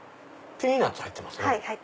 ピーナツ入ってますね。